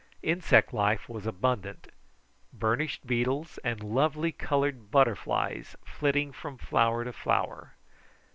Insect life was abundant: burnished beetles and lovely coloured butterflies flitting from flower to flower.